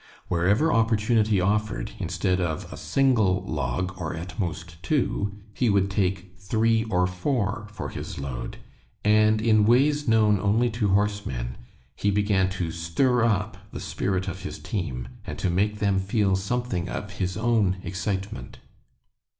Wherever opportunity offered, instead of a single log, or at most two, he would take three or four for his load; and in ways known only to horsemen, he began to stir up the spirit of his team, and to make them feel something of his own excitement.